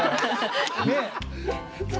ねえ。